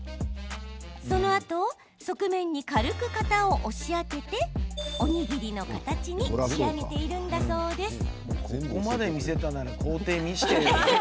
そのあと側面に軽く型を押し当てておにぎりの形に仕上げているんだそうです。